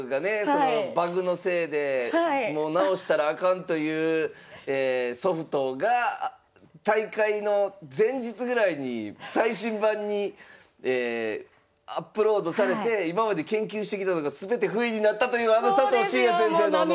そのバグのせいでもう直したらあかんというソフトが大会の前日ぐらいに最新版にアップロードされて今まで研究してきたのが全てふいになったというあの佐藤紳哉先生のあの。